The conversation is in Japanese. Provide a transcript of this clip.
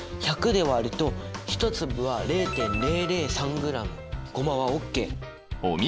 １００で割ると約１粒は０．０３ｇだね。